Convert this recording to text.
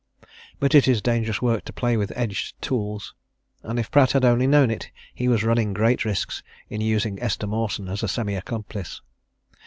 But it is dangerous work to play with edged tools, and if Pratt had only known it, he was running great risks in using Esther Mawson as a semi accomplice.